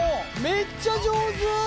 めっちゃ上手！